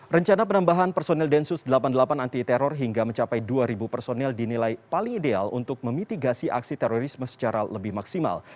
rencana penambahan personil densus delapan puluh delapan anti teror hingga mencapai dua personil dinilai paling ideal untuk memitigasi aksi terorisme secara lebih maksimal